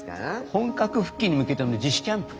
本格復帰に向けての自主キャンプか。